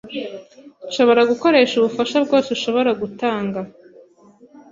Nshobora gukoresha ubufasha bwose ushobora gutanga.